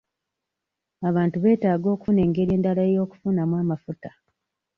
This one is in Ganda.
Abantu betaaga okufuna engeri endala y'okufunamu amafuta.